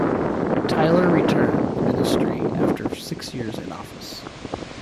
Tyler returned to the ministry after six years in office.